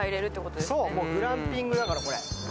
もうグランピングだからこれ。